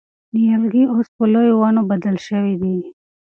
نیالګي اوس په لویو ونو بدل شوي دي.